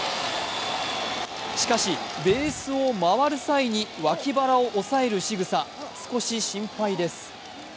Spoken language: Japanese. しかし、ベースを回る際に脇腹を押さえるしぐさ、少し心配です。